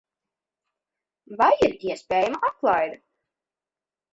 Vai ir iespējama atlaide?